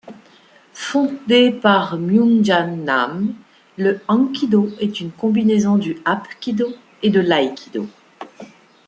Fondé par Myung Jae-Nam, le Hankido est une combinaison du Hapkido et de l'Aïkido.